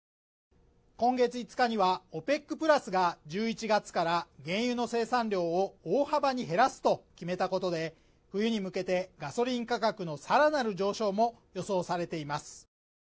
今月５日にはＯＰＥＣプラスが１１月から原油の生産量を大幅に減らすと決めたことで冬に向けてガソリン価格のさらなる上昇も予想されています